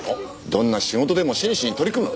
どんな仕事でも真摯に取り組む。